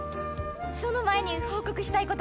その前に報告したいことが。